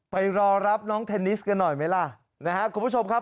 ไปรอรับน้องเทนนิสกันหน่อยไหมล่ะนะครับคุณผู้ชมครับ